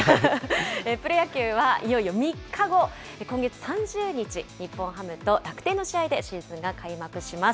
プロ野球はいよいよ３日後、今月３０日、日本ハムと楽天の試合でシーズンが開幕します。